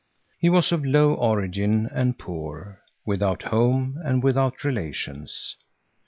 He was of low origin and poor, without home and without relations.